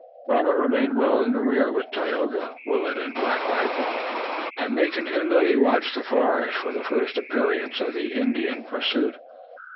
Robert remained well in the rear with Tayoga, Willet and Black Rifle, and they continually watched the forest for the first appearance of the Indian pursuit.